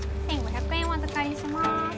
１、５００円お預かりします。